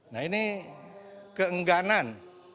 nah ini keengganan